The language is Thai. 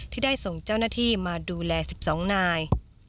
ที่ได้ส่งเจ้าหน้าที่มาดูแล๑๒นาย